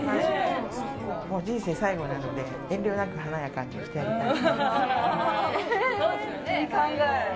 人生最後なので遠慮なく華やかにしてあげたいと。